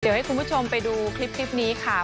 เดี๋ยวให้คุณผู้ชมไปดูคลิปนี้ค่ะ